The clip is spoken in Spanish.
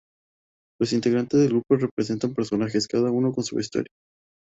Los integrantes del grupo representan personajes, cada uno con su vestuario.